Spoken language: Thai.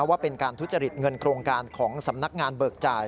ว่าเป็นการทุจริตเงินโครงการของสำนักงานเบิกจ่าย